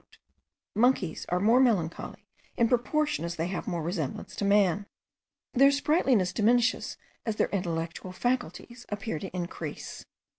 Monkeys are more melancholy in proportion as they have more resemblance to man. Their sprightliness diminishes, as their intellectual faculties appear to increase.